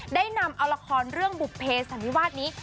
ได้นำเอาละครเรื่องบุภเพสันนิวาสนี้